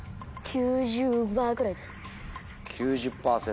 ９０％。